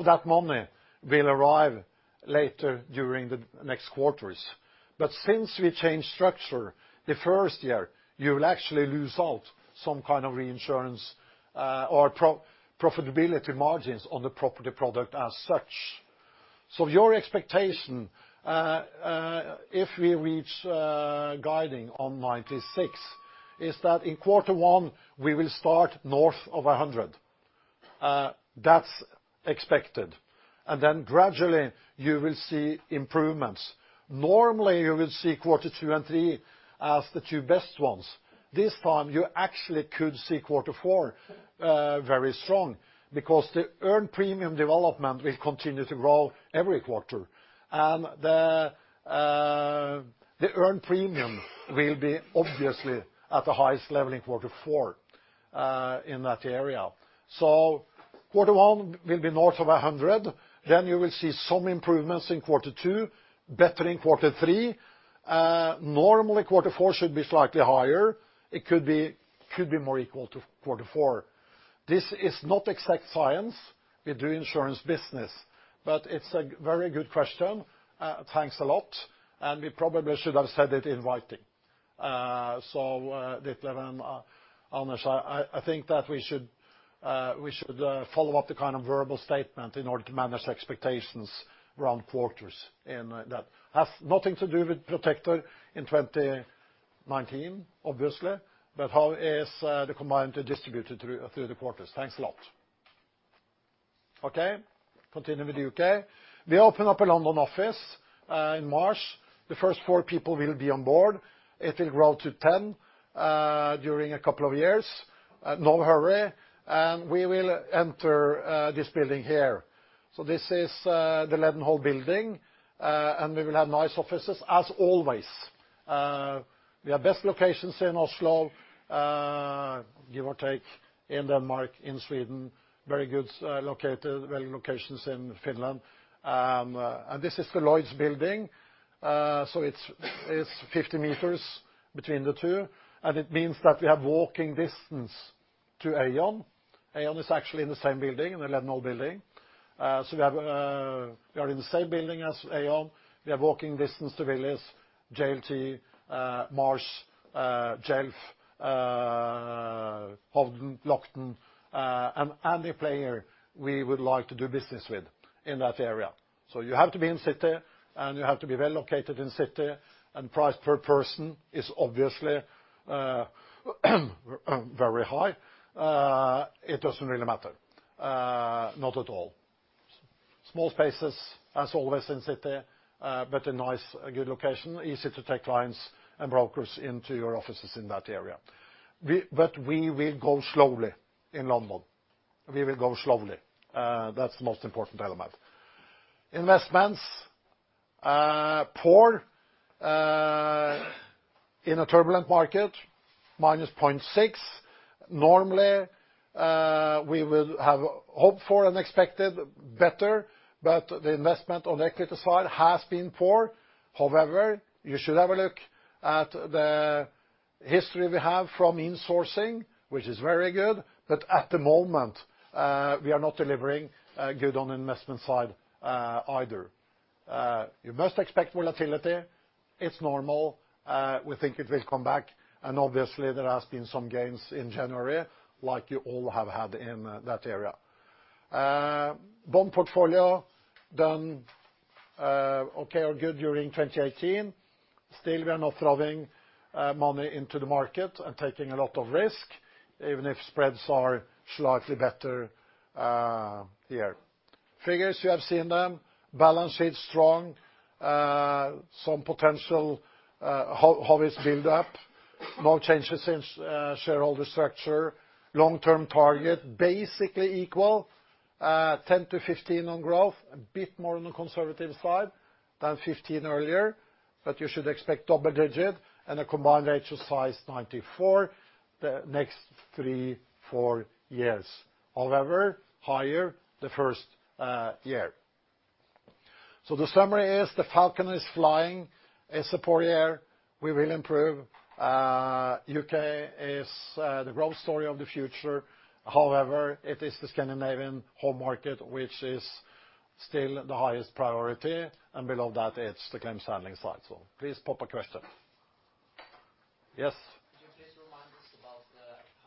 that money will arrive later during the next quarters. Since we changed structure, the first year, you will actually lose out some kind of reinsurance or profitability margins on the property product as such. Your expectation, if we reach guiding on 96%, is that in quarter one, we will start north of 100%. That's expected. Gradually, you will see improvements. Normally, you will see quarter two and three as the two best ones. This time, you actually could see quarter four very strong because the earned premium development will continue to grow every quarter. The earned premium will be obviously at the highest level in quarter four, in that area. Quarter one will be north of 100%. You will see some improvements in quarter two, better in quarter three. Normally, quarter four should be slightly higher. It could be more equal to quarter four. This is not exact science. We do insurance business. It's a very good question. Thanks a lot. We probably should have said it in writing. Ditlev and Anders, I think that we should follow up the kind of verbal statement in order to manage expectations around quarters, and that has nothing to do with Protector in 2019, obviously, but how is the combined distributed through the quarters. Thanks a lot. Okay, continue with the U.K. We open up a London office, in March. The first four people will be on board. It will grow to 10, during a couple of years. No hurry. We will enter this building here. This is The Leadenhall Building, and we will have nice offices as always. We have best locations in Oslo, give or take, in Denmark, in Sweden, very good locations in Finland. This is the Lloyd's building. It's 50 m between the two, and it means that we have walking distance to Aon. Aon is actually in the same building, in The Leadenhall Building. We are in the same building as Aon. We have walking distance to Willis, JLT, Marsh, Gallagher, Howden, Lockton, and any player we would like to do business with in that area. You have to be in city, and you have to be well located in city. Price per person is obviously very high. It doesn't really matter, not at all. Small spaces, as always in city, but a nice, a good location, easy to take clients and brokers into your offices in that area. We will go slowly in London. We will go slowly. That's the most important element. Investments, poor, in a turbulent market, -0.6%. Normally, we would have hoped for and expected better, but the investment on equity side has been poor. However, you should have a look at the history we have from insourcing, which is very good. At the moment, we are not delivering good on the investment side either. You must expect volatility. It's normal. We think it will come back. Obviously, there has been some gains in January like you all have had in that area. Bond portfolio done, okay or good during 2018. We are not throwing money into the market and taking a lot of risk, even if spreads are slightly better here. Figures, you have seen them. Balance sheet strong. Some potential hobbies build up. No changes in shareholder structure. Long-term target, basically equal, 10-15 on growth, a bit more on the conservative side than 15 earlier. You should expect double-digit and a combined ratio size 94 the next three, four years. Higher the first year. The summary is the Falcon is flying. It's a poor year. We will improve. U.K. is the growth story of the future. It is the Scandinavian home market which is still the highest priority, and below that it's the claim handling side. Please pop a question. Yes. Could you please remind us about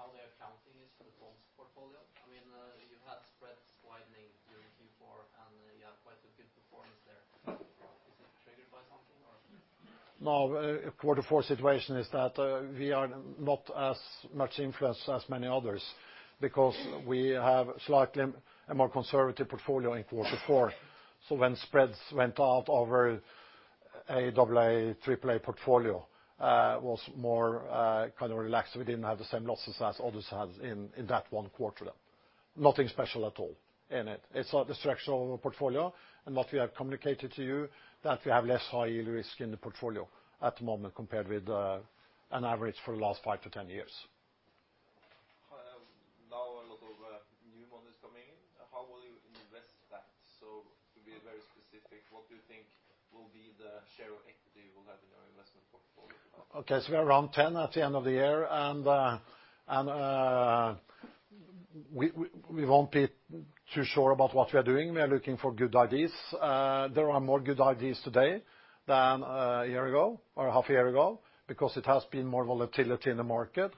how the accounting is for the bonds portfolio? You had spreads widening during Q4, and you have quite a good performance there. Is it triggered by something or? A Q4 situation is that, we are not as much influenced as many others because we have slightly a more conservative portfolio in Q4. When spreads went up over a AA, AAA portfolio, it was more kind of relaxed. We didn't have the same losses as others had in that one quarter. Nothing special at all in it. It's the structure of our portfolio and what we have communicated to you, that we have less high yield risk in the portfolio at the moment compared with an average for the last 5-10 years. A lot of new money is coming in. How will you invest that? To be very specific, what do you think will be the share of equity you will have in your investment portfolio? Okay. We are around 10 at the end of the year, and we won't be too sure about what we are doing. We are looking for good ideas. There are more good ideas today than a year ago or a half year ago because it has been more volatility in the market.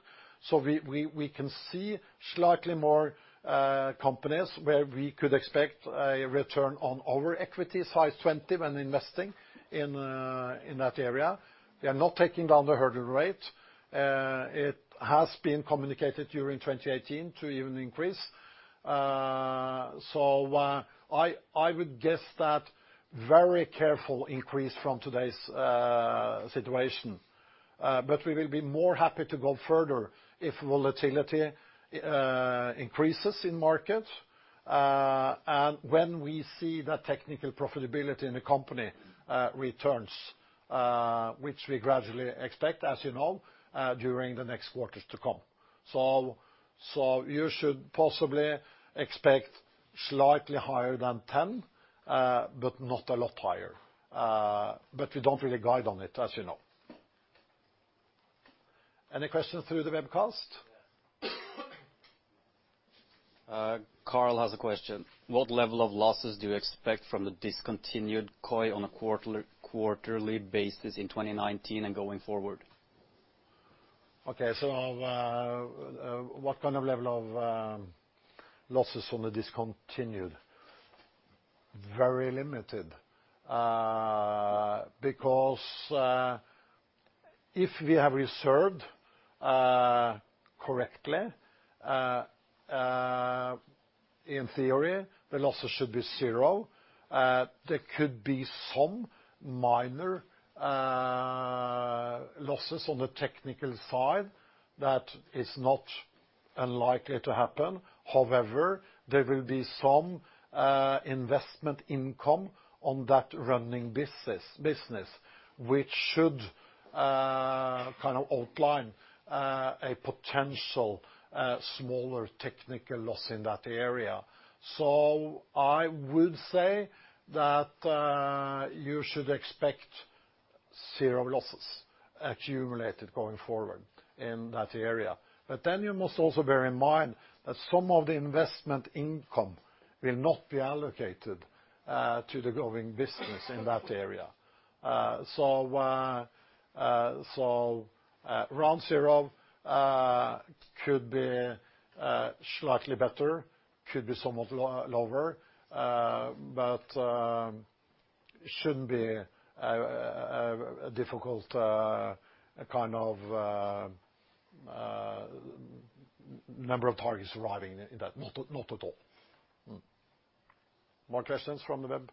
We can see slightly more companies where we could expect a return on our equity size 20 when investing in that area. We are not taking down the hurdle rate. It has been communicated during 2018 to even increase. I would guess that very careful increase from today's situation. We will be more happy to go further if volatility increases in markets, and when we see the technical profitability in the company returns, which we gradually expect, as you know, during the next quarters to come. You should possibly expect slightly higher than 10, but not a lot higher. We don't really guide on it, as you know. Any questions through the webcast? Yes. Carl has a question. What level of losses do you expect from the discontinued COI on a quarterly basis in 2019 and going forward? Okay. What level of losses on the discontinued? Very limited. If we have reserved correctly, in theory, the losses should be zero. There could be some minor losses on the technical side. That is not unlikely to happen. However, there will be some investment income on that running business, which should outline a potential smaller technical loss in that area. I would say that you should expect zero losses accumulated going forward in that area. You must also bear in mind that some of the investment income will not be allocated to the growing business in that area. Around zero. Could be slightly better, could be somewhat lower, but shouldn't be a difficult kind of number of targets arriving in that. Not at all. More questions from the web?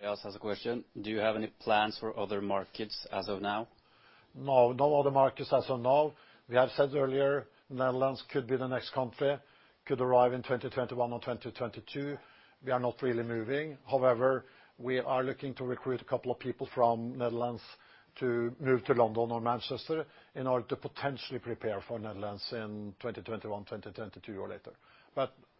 Andreas has a question. Do you have any plans for other markets as of now? No. No other markets as of now. We have said earlier, Netherlands could be the next country, could arrive in 2021 or 2022. We are not really moving. We are looking to recruit a couple of people from Netherlands to move to London or Manchester in order to potentially prepare for Netherlands in 2021, 2022 or later.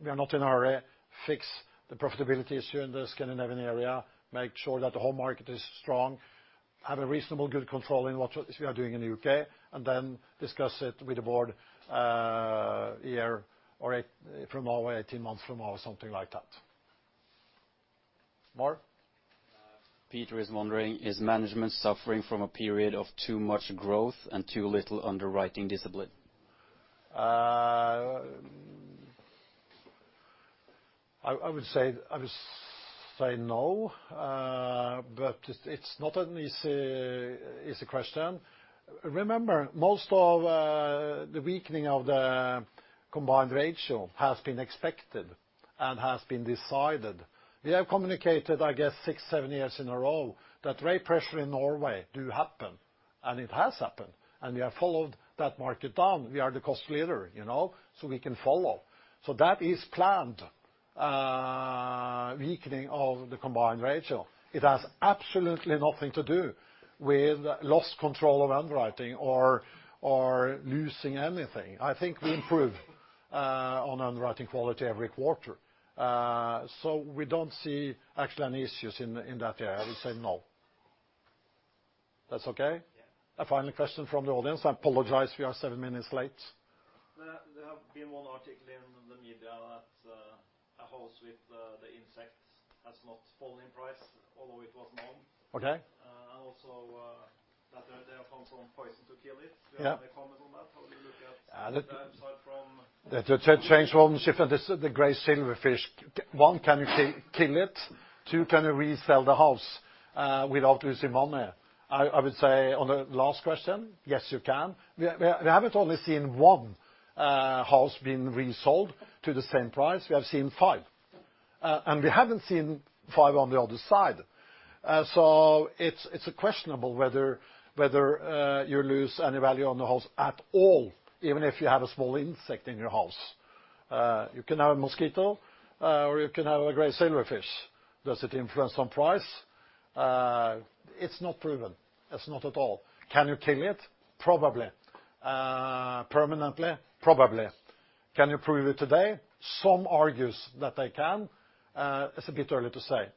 We are not in a hurry. Fix the profitability issue in the Scandinavian area, make sure that the whole market is strong, have a reasonably good control in what we are doing in the U.K., and then discuss it with the board a year from now, 18 months from now, or something like that. More? Peter is wondering, is management suffering from a period of too much growth and too little underwriting discipline? I would say no. It's not an easy question. Remember, most of the weakening of the combined ratio has been expected and has been decided. We have communicated, I guess, six, seven years in a row that rate pressure in Norway do happen, and it has happened, and we have followed that market down. We are the cost leader, we can follow. That is planned, weakening of the combined ratio. It has absolutely nothing to do with lost control of underwriting or losing anything. I think we improve on underwriting quality every quarter. We don't see any issues in that area. I would say no. That's okay? Yeah. A final question from the audience. I apologize we are seven minutes late. There have been one article in the media that a house with the insects has not fallen in price, although it was known. Okay. Also that they have found some poison to kill it. Yeah. Do you have any comment on that? How do you look at that side? The change of ownership, this is the gray silverfish. One, can you kill it? Two, can you resell the house without losing money? I would say on the last question, yes, you can. We haven't only seen one house being resold to the same price. We have seen five. We haven't seen five on the other side. It's questionable whether you lose any value on the house at all, even if you have a small insect in your house. You can have a mosquito, or you can have a gray silverfish. Does it influence on price? It's not proven. It's not at all. Can you kill it? Probably. Permanently? Probably. Can you prove it today? Some argues that they can. It's a bit early to say.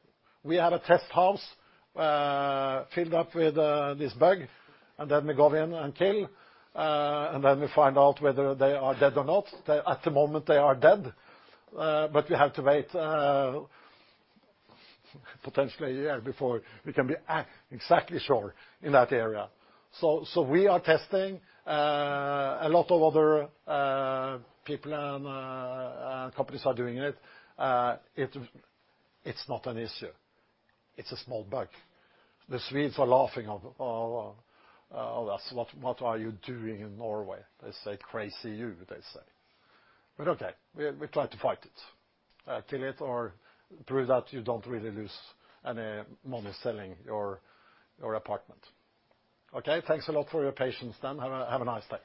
We have a test house filled up with this bug, and then we go in and kill, and then we find out whether they are dead or not. At the moment they are dead, but we have to wait potentially a year before we can be exactly sure in that area. We are testing. A lot of other people and companies are doing it. It's not an issue. It's a small bug. The Swedes are laughing at us. "What are you doing in Norway?" they say, "Crazy, you," they say. Okay. We try to fight it. Kill it or prove that you don't really lose any money selling your apartment. Okay. Thanks a lot for your patience then. Have a nice day.